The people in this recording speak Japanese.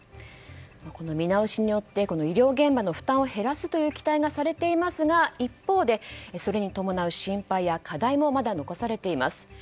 この見直しによって医療現場の負担を減らすという期待がされていますが一方で、それに伴う心配や課題もまだ残されています。